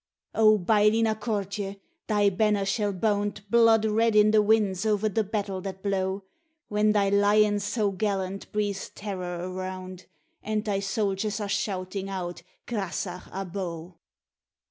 O, Baillie Na Cortie! thy banner shall bound Blood red in the winds o'er the battle that blow; When thy lion so gallant breathes terror around, And thy soldiers are shouting out Grasach Abo.